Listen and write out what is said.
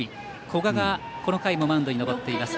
古賀が、この回もマウンドに登っています。